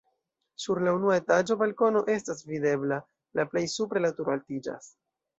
Sur la unua etaĝo balkono estas videbla, la plej supre la turo altiĝas.